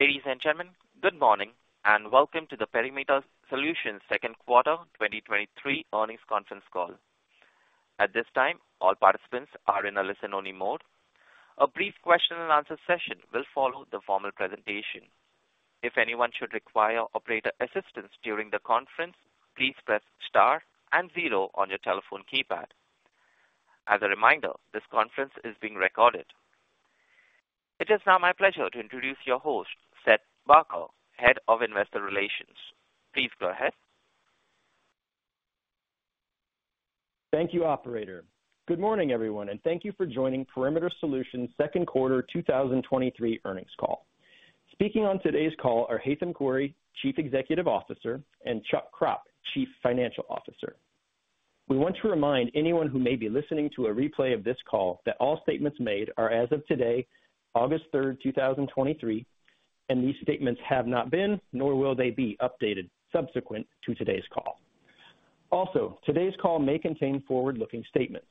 Ladies and gentlemen, good morning, and welcome to the Perimeter Solutions 2Q 2023 earnings conference call. At this time, all participants are in a listen-only mode. A brief question and answer session will follow the formal presentation. If anyone should require operator assistance during the conference, please press star and 0 on your telephone keypad. As a reminder, this conference is being recorded. It is now my pleasure to introduce your host, Seth Barker, Head of Investor Relations. Please go ahead. Thank you, operator. Good morning, everyone, and thank you for joining Perimeter Solutions second quarter 2023 earnings call. Speaking on today's call are Haitham Khouri, Chief Executive Officer, and Chuck Kropp, Chief Financial Officer. We want to remind anyone who may be listening to a replay of this call that all statements made are as of today, August third, 2023, and these statements have not been, nor will they be updated subsequent to today's call. Also, today's call may contain forward-looking statements.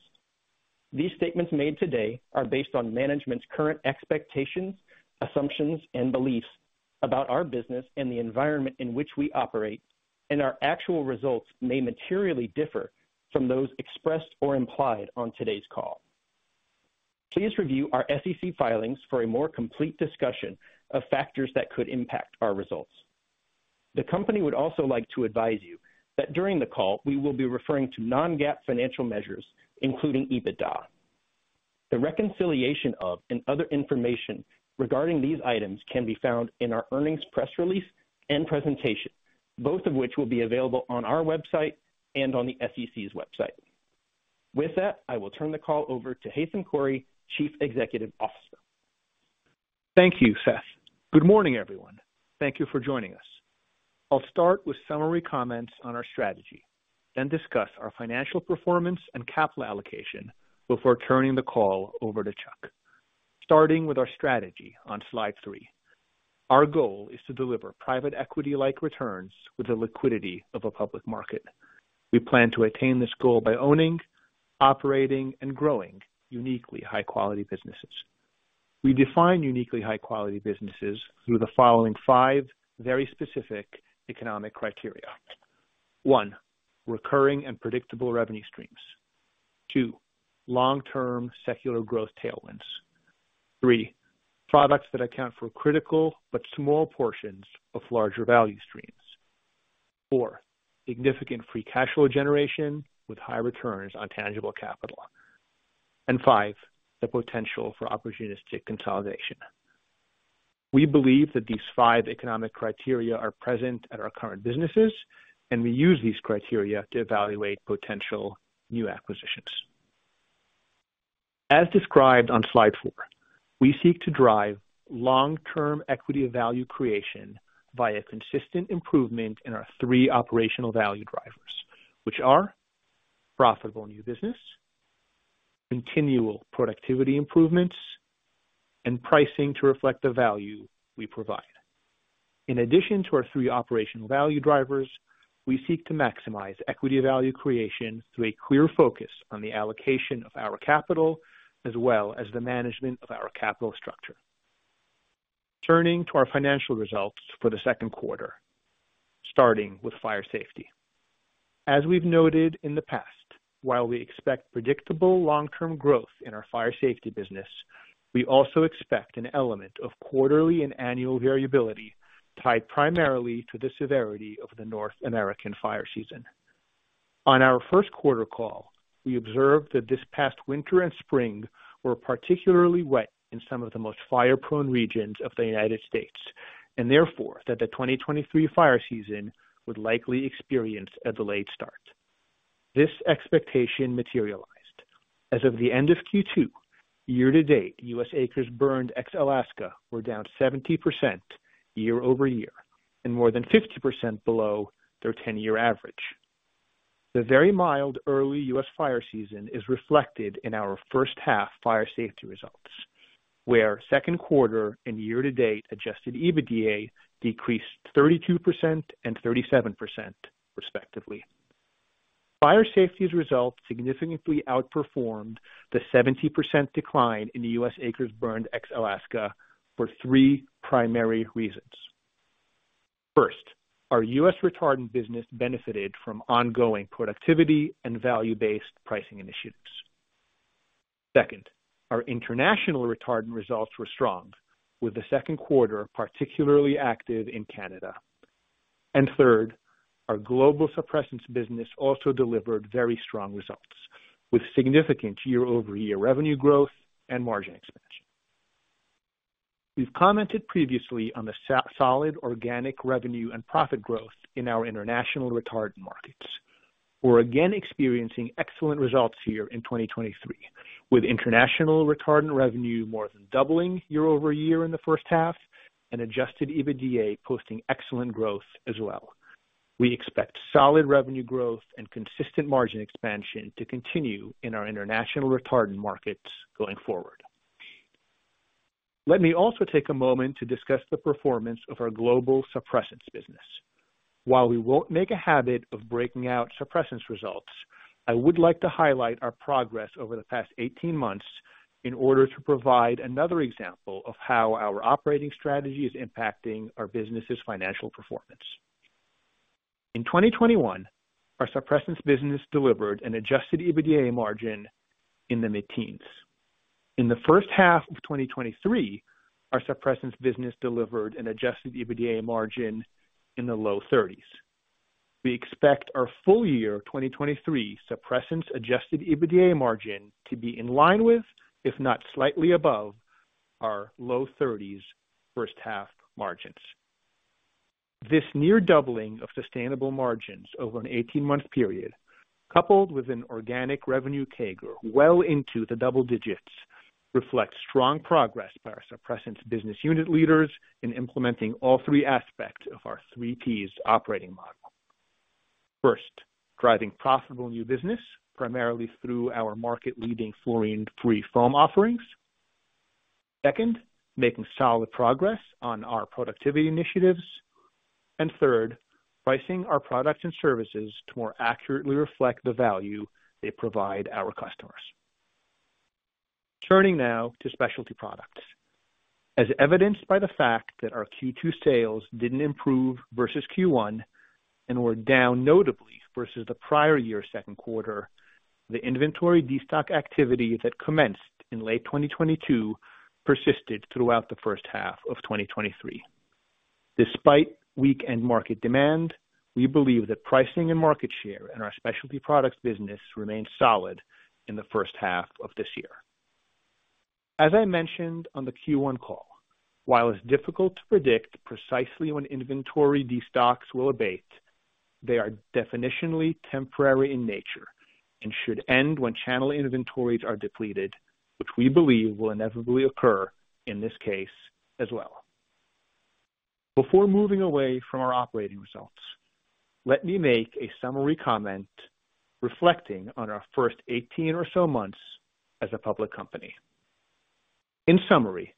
These statements made today are based on management's current expectations, assumptions, and beliefs about our business and the environment in which we operate, and our actual results may materially differ from those expressed or implied on today's call. Please review our SEC filings for a more complete discussion of factors that could impact our results. The company would also like to advise you that during the call, we will be referring to non-GAAP financial measures, including EBITDA. The reconciliation of and other information regarding these items can be found in our earnings press release and presentation, both of which will be available on our website and on the SEC's website. I will turn the call over to Haitham Khouri, Chief Executive Officer. Thank you, Seth. Good morning, everyone. Thank you for joining us. I'll start with summary comments on our strategy, then discuss our financial performance and capital allocation before turning the call over to Chuck. Starting with our strategy on slide three, our goal is to deliver private equity-like returns with the liquidity of a public market. We plan to attain this goal by owning, operating, and growing uniquely high-quality businesses. We define uniquely high-quality businesses through the following five very specific economic criteria: One, recurring and predictable revenue streams. Two, long-term secular growth tailwinds. Three, products that account for critical but small portions of larger value streams. Four, significant free cash flow generation with high returns on tangible capital. Five, the potential for opportunistic consolidation. We believe that these five economic criteria are present at our current businesses, and we use these criteria to evaluate potential new acquisitions. As described on slide four, we seek to drive long-term equity value creation via consistent improvement in our three operational value drivers, which are profitable new business, continual productivity improvements, and pricing to reflect the value we provide. In addition to our three operational value drivers, we seek to maximize equity value creation through a clear focus on the allocation of our capital, as well as the management of our capital structure. Turning to our financial results for the second quarter, starting with Fire Safety. As we've noted in the past, while we expect predictable long-term growth in our Fire Safety business, we also expect an element of quarterly and annual variability tied primarily to the severity of the North American fire season. On our first quarter call, we observed that this past winter and spring were particularly wet in some of the most fire-prone regions of the United States, and therefore, that the 2023 fire season would likely experience a delayed start. This expectation materialized. As of the end of Q2, year to date, U.S. acres burned ex-Alaska were down 70% year-over-year and more than 50% below their 10-year average. The very mild early U.S. fire season is reflected in our first half Fire Safety results, where second quarter and year to date Adjusted EBITDA decreased 32% and 37%, respectively. Fire Safety's results significantly outperformed the 70% decline in the U.S. acres burned ex-Alaska for 3 primary reasons. First, our U.S. retardant business benefited from ongoing productivity and value-based pricing initiatives. Second, our international retardant results were strong, with the second quarter particularly active in Canada. Third, our global suppressants business also delivered very strong results, with significant year-over-year revenue growth and margin expansion. We've commented previously on the so-solid organic revenue and profit growth in our international retardant markets. We're again experiencing excellent results here in 2023, with international retardant revenue more than doubling year-over-year in the first half and Adjusted EBITDA posting excellent growth as well. We expect solid revenue growth and consistent margin expansion to continue in our international retardant markets going forward. Let me also take a moment to discuss the performance of our global suppressants business. While we won't make a habit of breaking out suppressants results, I would like to highlight our progress over the past 18 months in order to provide another example of how our operating strategy is impacting our business's financial performance. In 2021, our suppressants business delivered an Adjusted EBITDA margin in the mid-teens. In the first half of 2023, our suppressants business delivered an Adjusted EBITDA margin in the low 30s. We expect our full year 2023 suppressants Adjusted EBITDA margin to be in line with, if not slightly above, our low 30s first half margins. This near doubling of sustainable margins over an 18-month period, coupled with an organic revenue CAGR well into the double digits, reflects strong progress by our suppressants business unit leaders in implementing all three aspects of our three Ps operating model. First, driving profitable new business, primarily through our market-leading fluorine-free foam offerings. Second, making solid progress on our productivity initiatives. Third, pricing our products and services to more accurately reflect the value they provide our customers. Turning now to specialty products. As evidenced by the fact that our Q2 sales didn't improve versus Q1, and were down notably versus the prior year's second quarter, the inventory destock activity that commenced in late 2022 persisted throughout the first half of 2023. Despite weak end market demand, we believe that pricing and market share in our specialty products business remained solid in the first half of this year. As I mentioned on the Q1 call, while it's difficult to predict precisely when inventory destocks will abate, they are definitionally temporary in nature and should end when channel inventories are depleted, which we believe will inevitably occur in this case as well. Before moving away from our operating results, let me make a summary comment reflecting on our first 18 or so months as a public company. In summary,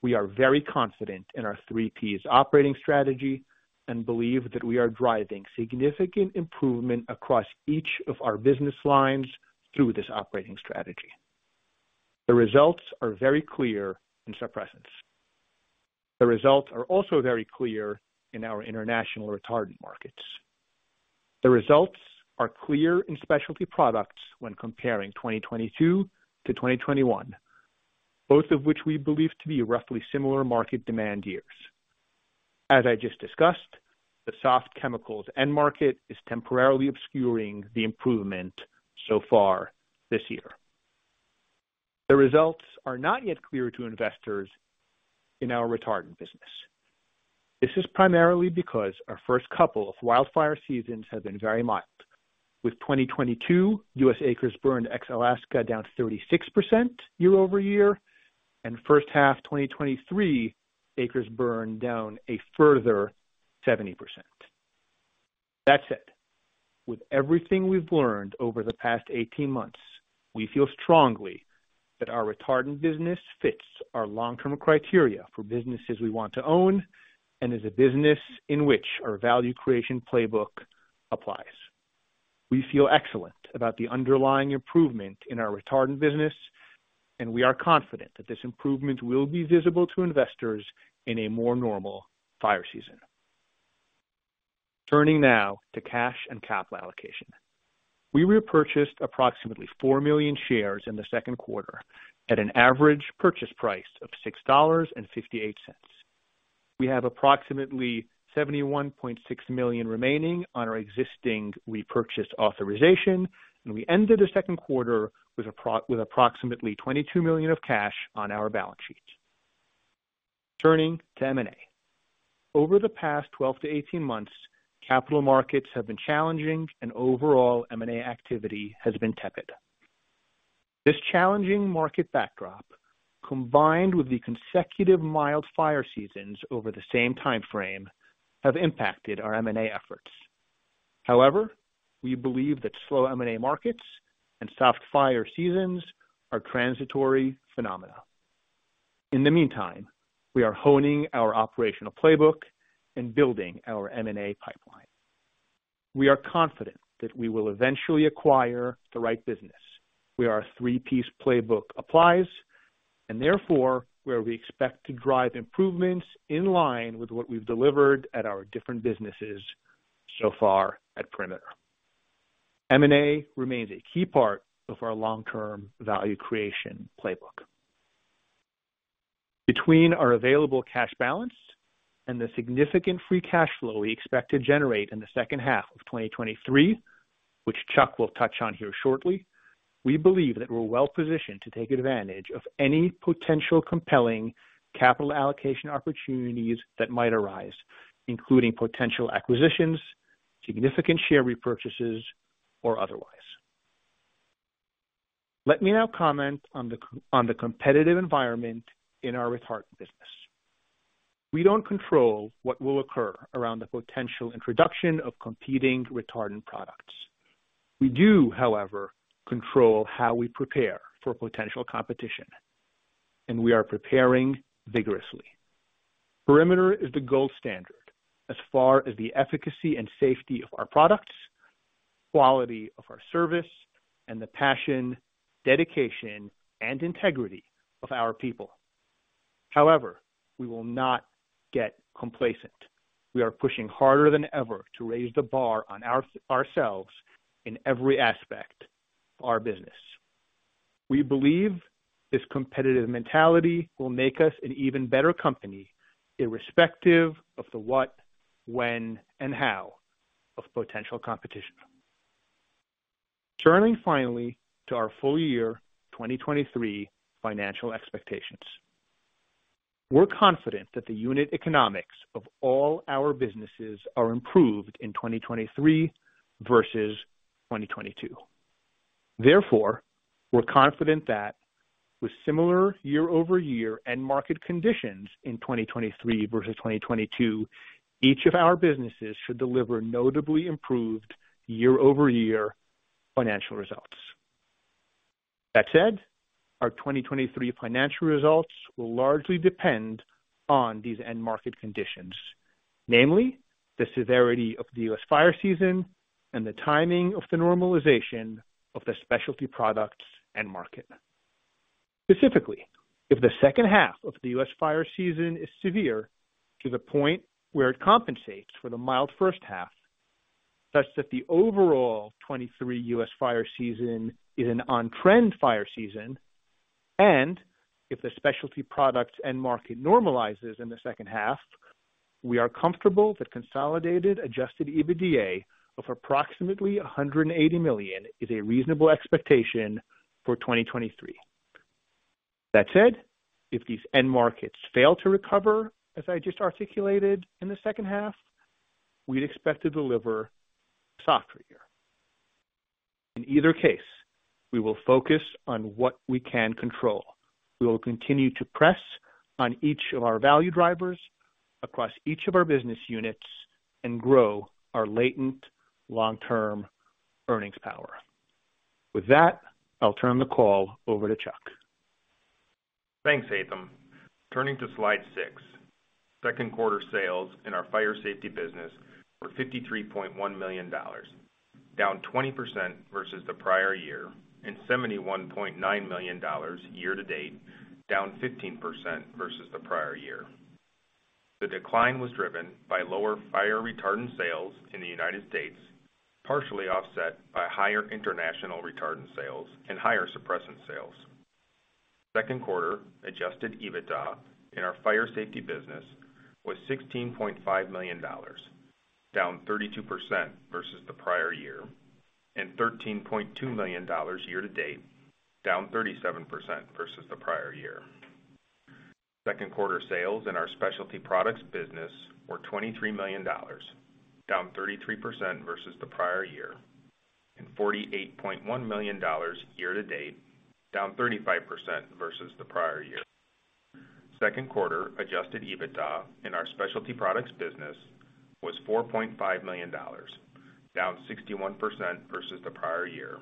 we are very confident in our three Ps operating strategy and believe that we are driving significant improvement across each of our business lines through this operating strategy. The results are very clear in suppressants. The results are also very clear in our international retardant markets. The results are clear in specialty products when comparing 2022 to 2021, both of which we believe to be roughly similar market demand years. As I just discussed, the soft chemicals end market is temporarily obscuring the improvement so far this year. The results are not yet clear to investors in our retardant business. This is primarily because our first couple of wildfire seasons have been very mild, with 2022 US acres burned ex-Alaska down 36% year-over-year, and first half 2023 acres burned down a further 70%. That said, with everything we've learned over the past 18 months, we feel strongly that our retardant business fits our long-term criteria for businesses we want to own and is a business in which our value creation playbook applies. We feel excellent about the underlying improvement in our retardant business, and we are confident that this improvement will be visible to investors in a more normal fire season. Turning now to cash and capital allocation. We repurchased approximately 4 million shares in the second quarter at an average purchase price of $6.58. We have approximately 71.6 million remaining on our existing repurchase authorization, and we ended the second quarter with approximately 22 million of cash on our balance sheet. Turning to M&A. Over the past 12-18 months, capital markets have been challenging and overall M&A activity has been tepid. This challenging market backdrop, combined with the consecutive mild fire seasons over the same time frame, have impacted our M&A efforts. However, we believe that slow M&A markets and soft fire seasons are transitory phenomena. In the meantime, we are honing our operational playbook and building our M&A pipeline. We are confident that we will eventually acquire the right business, where our three Ps playbook applies, and therefore, where we expect to drive improvements in line with what we've delivered at our different businesses so far at Perimeter. M&A remains a key part of our long-term value creation playbook. Between our available cash balance and the significant free cash flow we expect to generate in the second half of 2023, which Chuck will touch on here shortly, we believe that we're well positioned to take advantage of any potential compelling capital allocation opportunities that might arise, including potential acquisitions, significant share repurchases, or otherwise. Let me now comment on the, on the competitive environment in our retardant business. We don't control what will occur around the potential introduction of competing retardant products. We do, however, control how we prepare for potential competition and we are preparing vigorously. Perimeter is the gold standard as far as the efficacy and safety of our products, quality of our service, and the passion, dedication, and integrity of our people. However, we will not get complacent. We are pushing harder than ever to raise the bar on ourselves in every aspect of our business. We believe this competitive mentality will make us an even better company, irrespective of the what, when, and how of potential competition. Turning finally to our full year 2023 financial expectations. We're confident that the unit economics of all our businesses are improved in 2023 versus 2022. Therefore, we're confident that with similar year-over-year end market conditions in 2023 versus 2022, each of our businesses should deliver notably improved year-over-year financial results. That said, our 2023 financial results will largely depend on these end market conditions, namely, the severity of the US fire season and the timing of the normalization of the specialty products end market. Specifically, if the second half of the US fire season is severe to the point where it compensates for the mild first half, such that the overall 23 US fire season is an on-trend fire season, and if the specialty products end market normalizes in the second half, we are comfortable that consolidated Adjusted EBITDA of approximately $180 million is a reasonable expectation for 2023. That said, if these end markets fail to recover, as I just articulated in the second half, we'd expect to deliver softer year. In either case, we will focus on what we can control. We will continue to press on each of our value drivers across each of our business units and grow our latent long-term earnings power. With that, I'll turn the call over to Chuck. Thanks, Haitham. Turning to slide six. Second quarter sales in our Fire Safety business were $53.1 million, down 20% versus the prior year, and $71.9 million year-to-date, down 15% versus the prior year. The decline was driven by lower fire retardant sales in the United States, partially offset by higher international retardant sales and higher suppressant sales. Second quarter Adjusted EBITDA in our Fire Safety business was $16.5 million, down 32% versus the prior year, and $13.2 million year-to-date, down 37% versus the prior year. Second quarter sales in our specialty products business were $23 million, down 33% versus the prior year, and $48.1 million year-to-date, down 35% versus the prior year. Second quarter Adjusted EBITDA in our specialty products business was $4.5 million, down 61% versus the prior year,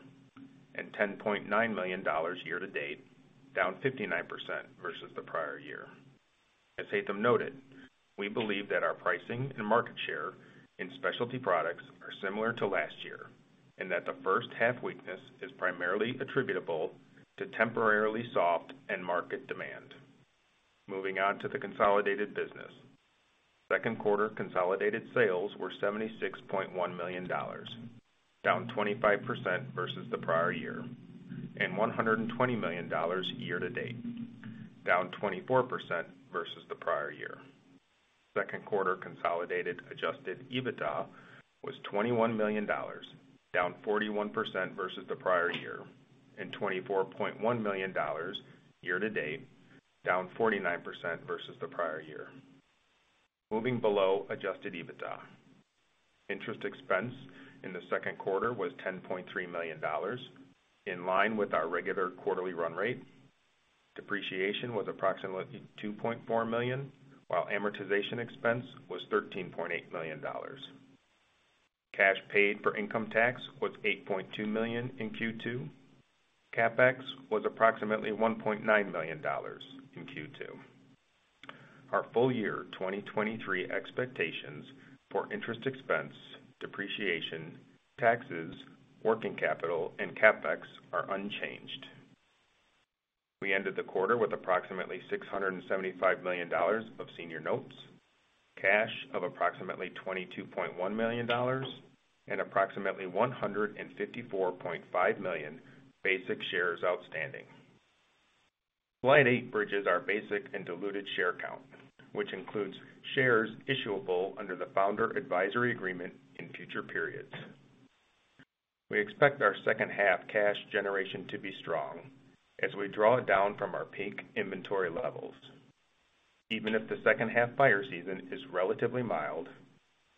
and $10.9 million year to date, down 59% versus the prior year. As Haitham noted, we believe that our pricing and market share in specialty products are similar to last year, and that the first half weakness is primarily attributable to temporarily soft and market demand. Moving on to the consolidated business. Second quarter consolidated sales were $76.1 million, down 25% versus the prior year, and $120 million year to date, down 24% versus the prior year. Second quarter consolidated Adjusted EBITDA was $21 million, down 41% versus the prior year, and $24.1 million year to date, down 49% versus the prior year. Moving below Adjusted EBITDA. Interest expense in the second quarter was $10.3 million, in line with our regular quarterly run rate. Depreciation was approximately $2.4 million, while amortization expense was $13.8 million. Cash paid for income tax was $8.2 million in Q2. CapEx was approximately $1.9 million in Q2. Our full year 2023 expectations for interest expense, depreciation, taxes, working capital, and CapEx are unchanged. We ended the quarter with approximately $675 million of senior notes, cash of approximately $22.1 million, and approximately 154.5 million basic shares outstanding. Slide 8 bridges our basic and diluted share count, which includes shares issuable under the Founder Advisory Agreement in future periods. We expect our second half cash generation to be strong as we draw down from our peak inventory levels. Even if the second half fire season is relatively mild,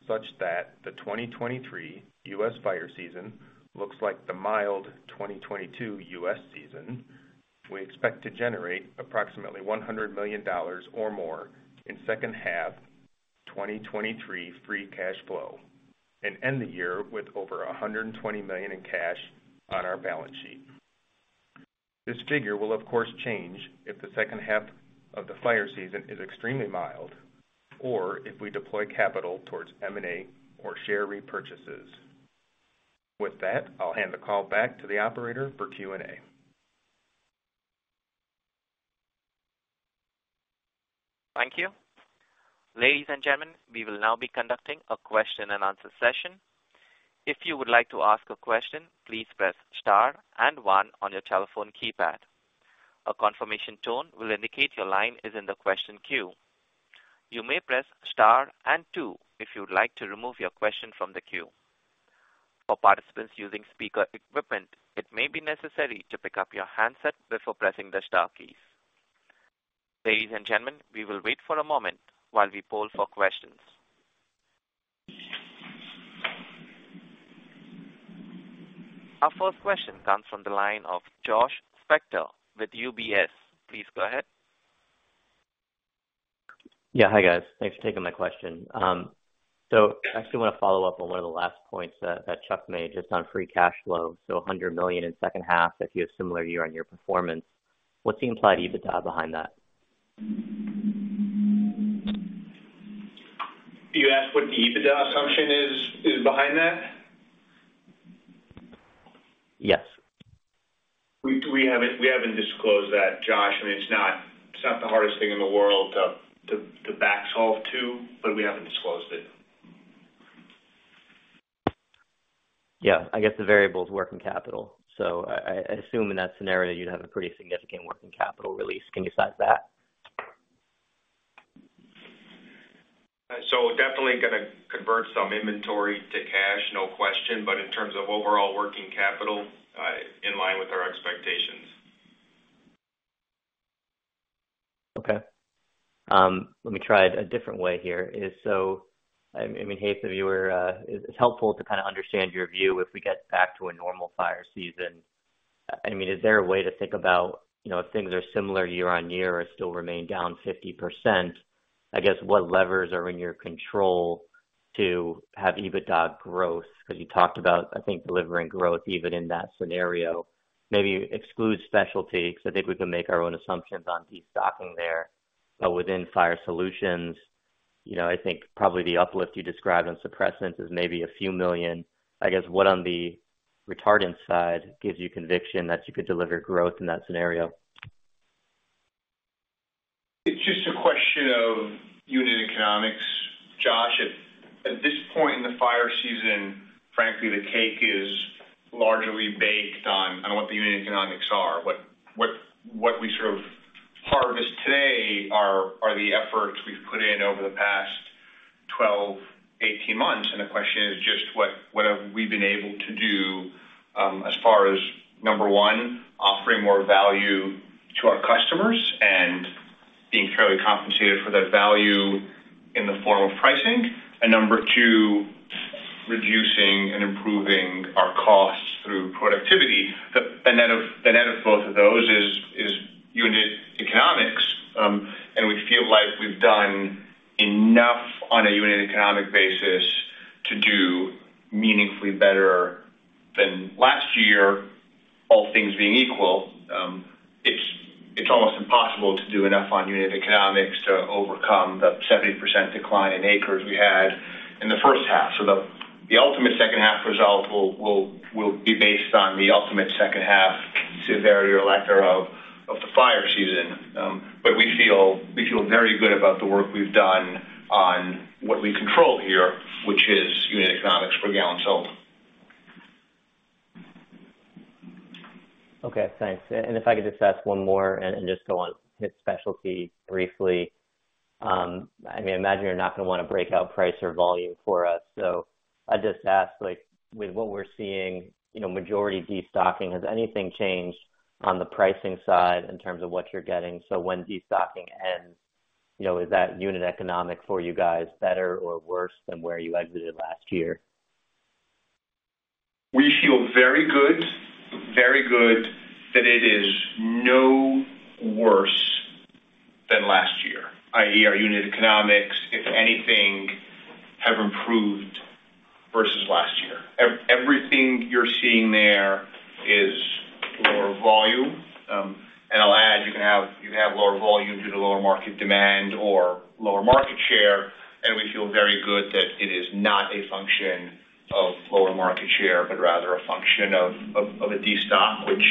such that the 2023 U.S. fire season looks like the mild 2022 U.S. season, we expect to generate approximately $100 million or more in second half- 2023 free cash flow and end the year with over $120 million in cash on our balance sheet. This figure will, of course, change if the second half of the fire season is extremely mild or if we deploy capital towards M&A or share repurchases. With that, I'll hand the call back to the operator for Q&A. Thank you. Ladies and gentlemen, we will now be conducting a question and answer session. If you would like to ask a question, please press star and one on your telephone keypad. A confirmation tone will indicate your line is in the question queue. You may press star and two if you would like to remove your question from the queue. For participants using speaker equipment, it may be necessary to pick up your handset before pressing the star keys. Ladies and gentlemen, we will wait for a moment while we poll for questions. Our first question comes from the line of Josh Spector with UBS. Please go ahead. Yeah. Hi, guys. Thanks for taking my question. I actually want to follow up on one of the last points that Chuck made just on free cash flow. A $100 million in second half, if you have similar year-on-year performance, what's the implied EBITDA behind that? You asked what the EBITDA assumption is behind that? Yes. We haven't disclosed that, Josh. I mean, it's not, it's not the hardest thing in the world to back solve to, but we haven't disclosed it. Yeah, I guess the variables working capital. I, I, I assume in that scenario, you'd have a pretty significant working capital release. Can you size that? Definitely gonna convert some inventory to cash, no question. But in terms of overall working capital, in line with our expectations. Okay. Let me try it a different way here. I mean, Hait, if you were it's helpful to kind of understand your view if we get back to a normal fire season. I mean, is there a way to think about, you know, if things are similar year-on-year or still remain down 50%, I guess, what levers are in your control to have EBITDA growth? Because you talked about, I think, delivering growth even in that scenario. Maybe exclude specialty, because I think we can make our own assumptions on destocking there. But within Fire Safety, you know, I think probably the uplift you describe in suppressants is maybe a few million. I guess, what on the retardant side gives you conviction that you could deliver growth in that scenario? It's just a question of unit economics, Josh. At, at this point in the fire season, frankly, the cake is largely baked on, on what the unit economics are. What, what, what we sort of harvest today are, are the efforts we've put in over the past 12, 18 months, and the question is just what, what have we been able to do, as far as, number 1, offering more value to our customers and being fairly compensated for that value in the form of pricing. Number 2, reducing and improving our costs through productivity. The benefit, the net of both of those is, is unit economics. We feel like we've done enough on a unit economic basis to do meaningfully better than last year, all things being equal. It's, it's almost impossible to do enough on unit economics to overcome the 70% decline in acres we had in the first half. The, the ultimate second half result will, will, will be based on the ultimate second half, to a varying elector of, of the fire season. But we feel, we feel very good about the work we've done on what we control here, which is unit economics per gallon sold. Okay, thanks. If I could just ask one more and, and just go on hit specialty briefly. I mean, I imagine you're not going to want to break out price or volume for us. I'd just ask, like, with what we're seeing, you know, majority destocking, has anything changed on the pricing side in terms of what you're getting? When destocking ends, you know, is that unit economic for you guys better or worse than where you exited last year? We feel very good, very good that it is no worse than last year, i.e., our unit economics, if anything, have improved versus last year. Everything you're seeing there is lower volume. I'll add, you can have, you can have lower volume due to lower market demand or lower market share, and we feel very good that it is not a function of lower market share, but rather a function of, of, of a destock, which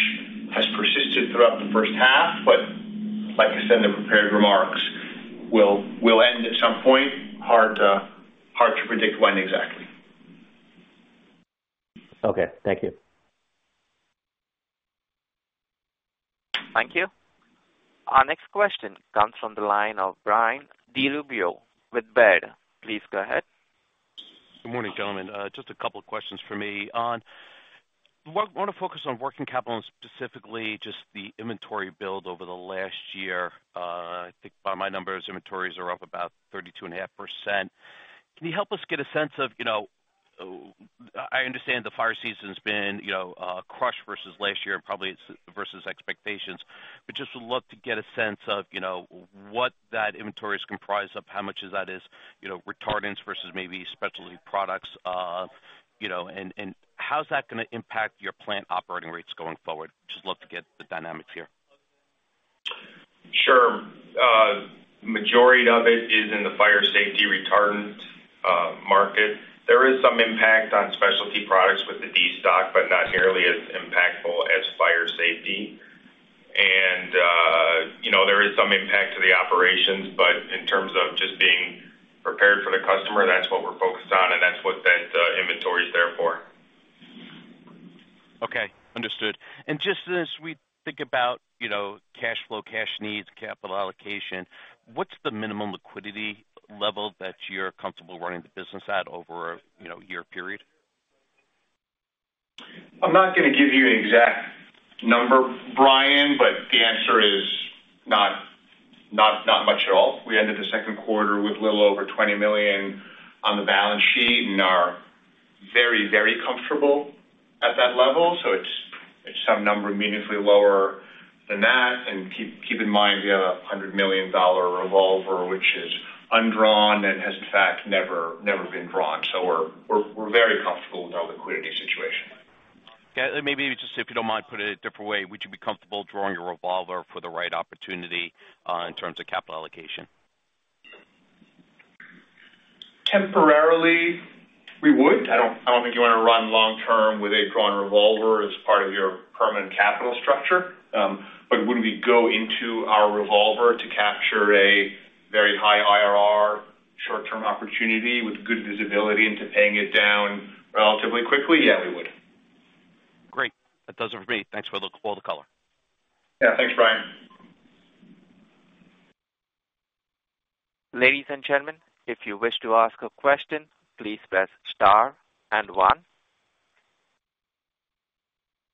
has persisted throughout the first half. Like you said, the prepared remarks will, will end at some point. Hard, hard to predict when exactly. Okay, thank you. Thank you. Our next question comes from the line of Brian DiRubbio with Baird. Please go ahead. Good morning, gentlemen. Just a couple of questions for me. I want, want to focus on working capital and specifically just the inventory build over the last year. I think by my numbers, inventories are up about 32.5%. Can you help us get a sense of, you know, I understand the fire season's been, you know, crushed versus last year and probably it's versus expectations, but just would love to get a sense of, you know, what that inventory is comprised of, how much of that is, you know, retardants versus maybe specialty products, you know, and, and how's that gonna impact your plant operating rates going forward? Just love to get the dynamics here. Sure. Majority of it is in the Fire Safety retardant market. There is some impact on specialty products with the destock, but not nearly as impactful as Fire Safety. You know, there is some impact to the operations, but in terms of just being prepared for the customer, that's what we're focused on, and that's what that inventory is there for. Okay, understood. Just as we think about, you know, cash flow, cash needs, capital allocation, what's the minimum liquidity level that you're comfortable running the business at over a, you know, year period? I'm not gonna give you an exact number, Brian, but the answer is not, not, not much at all. We ended the second quarter with a little over $20 million on the balance sheet and are very, very comfortable at that level. It's some number meaningfully lower than that. Keep in mind, we have a $100 million revolver, which is undrawn and has, in fact, never, never been drawn. We're very comfortable with our liquidity situation. Yeah, maybe just if you don't mind, put it a different way, would you be comfortable drawing your revolver for the right opportunity, in terms of capital allocation? Temporarily, we would. I don't, I don't think you want to run long term with a drawn revolver as part of your permanent capital structure. But would we go into our revolver to capture a very high IRR short-term opportunity with good visibility into paying it down relatively quickly? Yeah, we would. Great. That does it for me. Thanks for all the color. Yeah. Thanks, Brian. Ladies and gentlemen, if you wish to ask a question, please press star and one.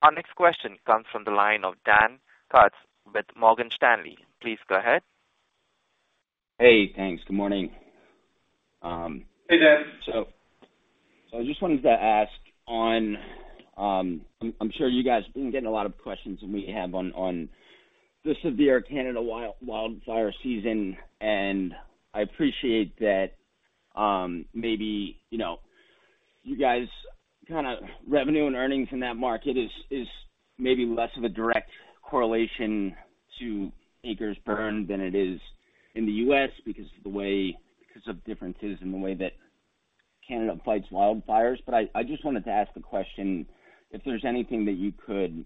Our next question comes from the line of Daniel Kutz with Morgan Stanley. Please go ahead. Hey, thanks. Good morning. Hey, Dan. I just wanted to ask on. I'm, I'm sure you guys have been getting a lot of questions, and we have on, on the severe Canada wildfire season, and I appreciate that, maybe, you know, you guys, kind of, revenue and earnings in that market is, is maybe less of a direct correlation to acres burned than it is in the US because of differences in the way that Canada fights wildfires. I, I just wanted to ask the question, if there's anything that you could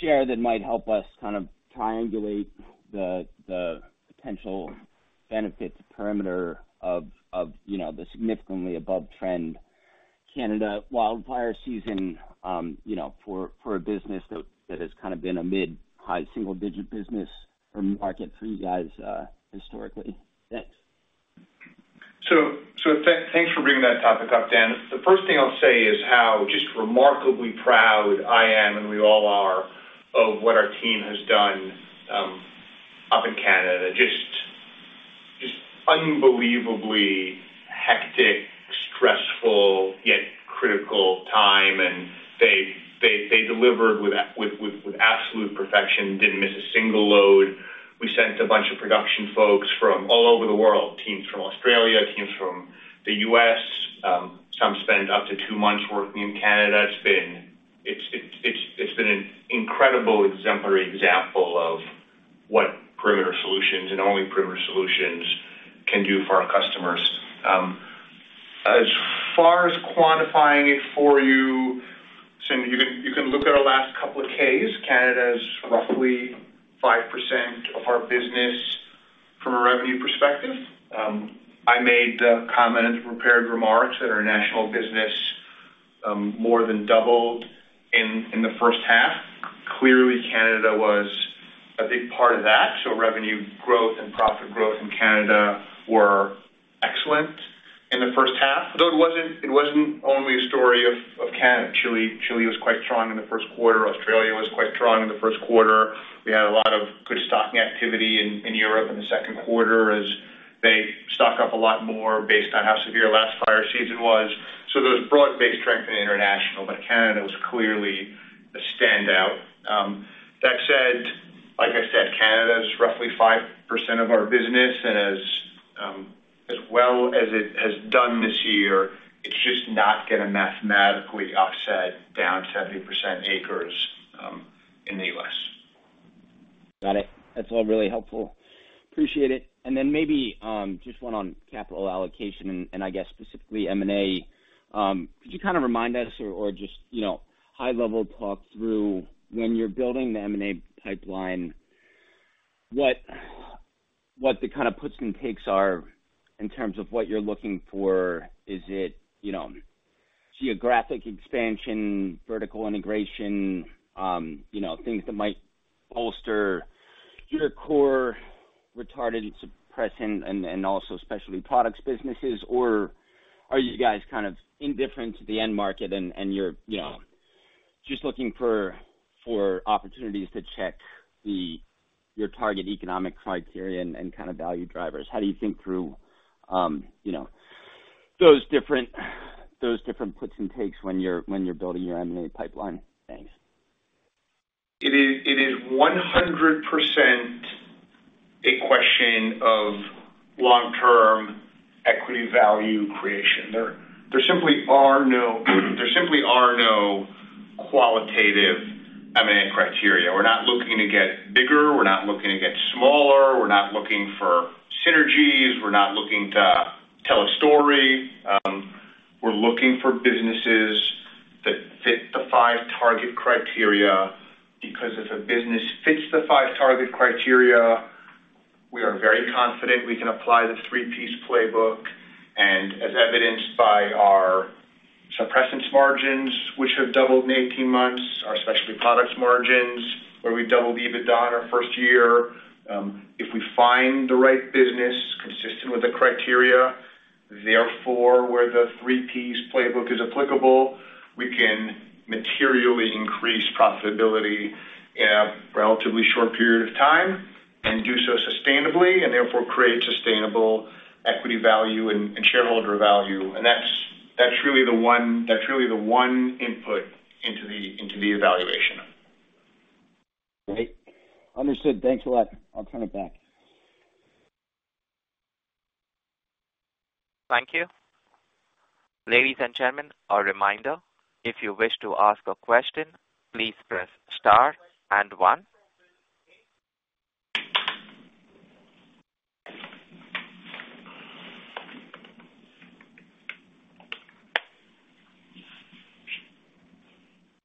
share that might help us kind of triangulate the, the potential benefits of Perimeter of, of, you know, the significantly above trend Canada wildfire season, you know, for, for a business that, that has kind of been a mid, high single digit business or market for you guys, historically? Thanks. Thanks for bringing that topic up, Dan. The first thing I'll say is how just remarkably proud I am, and we all are, of what our team has done, up in Canada. Just unbelievably hectic, stressful, yet critical time, and they, they, they delivered with, with, with, with absolute perfection, didn't miss a single load. We sent a bunch of production folks from all over the world, teams from Australia, teams from the U.S., some spent up to two months working in Canada. It's, it's, it's, it's been an incredible exemplary example of what Perimeter Solutions and only Perimeter Solutions can do for our customers. As far as quantifying it for you, so you can, you can look at our last couple of 10-Ks. Canada is roughly 5% of our business from a revenue perspective. I made a comment in prepared remarks that our national business more than doubled in the first half. Canada was a big part of that, so revenue growth and profit growth in Canada were excellent in the first half. It wasn't, it wasn't only a story of Canada. Chile, Chile was quite strong in the first quarter. Australia was quite strong in the first quarter. We had a lot of good stocking activity in Europe in the second quarter as they stock up a lot more based on how severe last fire season was. There was broad-based strength in international, but Canada was clearly a standout. That said, like I said, Canada is roughly 5% of our business, and as, as well as it has done this year, it's just not gonna mathematically offset down 70% acres in the US. Got it. That's all really helpful. Appreciate it. Then maybe, just one on capital allocation, and, and I guess specifically M&A. Could you kind of remind us or, or just, you know, high level talk through when you're building the M&A pipeline, what, what the kind of puts and takes are in terms of what you're looking for? Is it, you know, geographic expansion, vertical integration, you know, things that might bolster your core retardant, suppressant and, and also specialty products, businesses? Are you guys kind of indifferent to the end market and, and you're, you know, just looking for, for opportunities to check the, your target economic criteria and, and kind of value drivers. How do you think through, you know, those different, those different puts and takes when you're, when you're building your M&A pipeline? Thanks. It is, it is 100% a question of long-term equity value creation. There, there simply are no, there simply are no qualitative M&A criteria. We're not looking to get bigger, we're not looking to get smaller, we're not looking for synergies, we're not looking to tell a story. We're looking for businesses that fit the five target criteria, because if a business fits the five target criteria, we are very confident we can apply the three Ps playbook. As evidenced by our suppressants margins, which have doubled in 18 months, our specialty products margins, where we doubled EBITDA in our 1st year. If we find the right business consistent with the criteria, therefore, where the three P's playbook is applicable, we can materially increase profitability in a relatively short period of time and do so sustainably, and therefore, create sustainable equity value and, and shareholder value. That's, that's really the one, that's really the one input into the, into the evaluation. Great. Understood. Thanks a lot. I'll turn it back. Thank you. Ladies and gentlemen, a reminder, if you wish to ask a question, please press Star and one.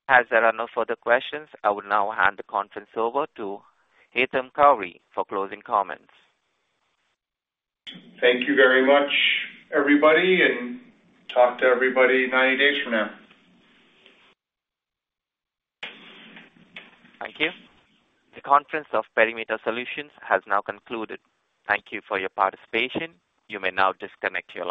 As there are no further questions, I will now hand the conference over to Haitham Khouri for closing comments. Thank you very much, everybody, and talk to everybody 90 days from now. Thank you. The conference of Perimeter Solutions has now concluded. Thank you for your participation. You may now disconnect your line.